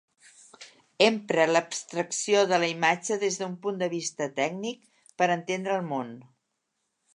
Empra l'abstracció de la imatge des d'un punt de vista tècnic per entendre el món.